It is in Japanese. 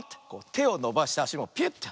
てをのばしてあしもピュッて。